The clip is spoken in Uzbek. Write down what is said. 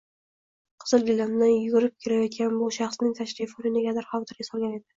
qizil gilamdan yurib kelayotgan bu shaxsning tashrifi uni negadir xavotirga solgan edi.